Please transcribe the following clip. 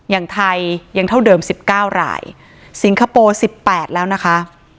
อย่างไทยยังเท่าเดิม๑๙รายสิงคโปร์๑๘แล้วนะคะ